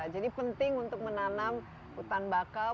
jadi penting untuk menanam hutan bakau